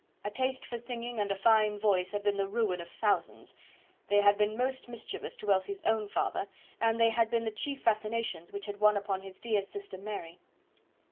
A taste for singing and a fine voice had been the ruin of thousands they had been most mischievous to Elsie's own father, and they had been the chief fascinations which had won upon his dear sister Mary.